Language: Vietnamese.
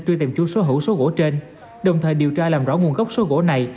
truy tìm chủ sở hữu số gỗ trên đồng thời điều tra làm rõ nguồn gốc số gỗ này